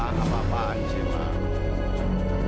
ah apa apaan sih mak